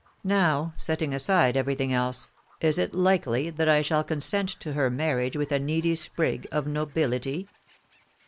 Now, setting aside everything else, is it likely that I shall consent to her marriage with a needy sprig of nobility